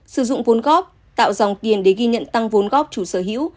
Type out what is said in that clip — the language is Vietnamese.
sử dụng vốn góp tạo dòng tiền để ghi nhận tăng vốn góp chủ sở hữu